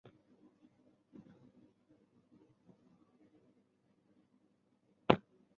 天主教东科克罗姆宗座代牧教区是加纳一个罗马天主教宗座代牧区。